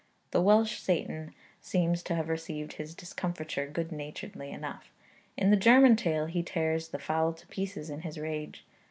The Welsh Satan seems to have received his discomfiture good naturedly enough; in the German tale he tears the fowl to pieces in his rage.